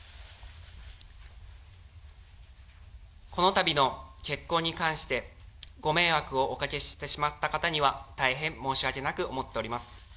このたびの結婚に関してご迷惑をおかけしてしまった方には、大変申し訳なく思っております。